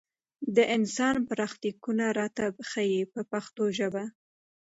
د انسان برخلیکونه راته ښيي په پښتو ژبه.